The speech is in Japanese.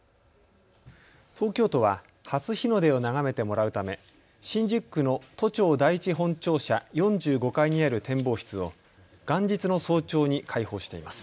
東京都は初日の出を眺めてもらうため新宿区の都庁第一本庁舎４５階にある展望室を元日の早朝に開放しています。